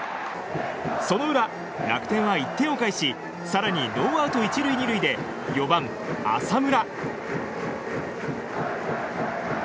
その裏、楽天は１点を返し更にノーアウト１塁２塁で４番、浅村。